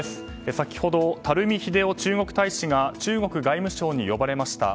先ほど、垂秀夫中国大使が中国外務省に呼ばれました。